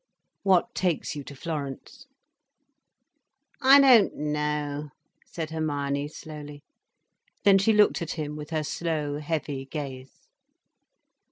"What takes you to Florence?" "I don't know," said Hermione slowly. Then she looked at him with her slow, heavy gaze.